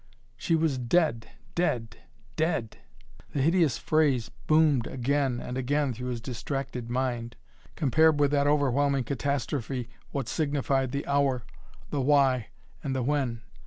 She was dead dead dead! The hideous phrase boomed again and again through his distracted mind. Compared with that overwhelming catastrophe what signified the Hour, the Why and the When.